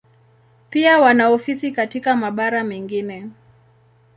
Pia wana ofisi katika mabara mengine.